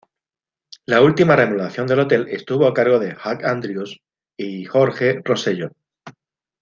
La última remodelación del hotel estuvo a cargo de Hugh Andrews y Jorge Rosselló.